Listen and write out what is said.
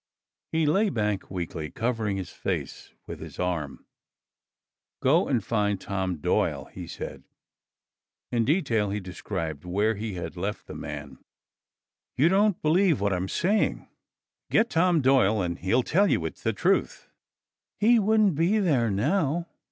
He lay back weakly, covering his face with his arm. "Go and find Tom Doyle," he said. In detail he described where he had left the man. "You don't believe what I'm saying. Get Tom Doyle and he'll tell you it's the truth." "He wouldn't be there now.